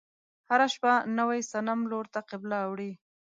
هره شپه نوي صنم لور ته قبله اوړي.